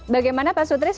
bagaimana pak sutris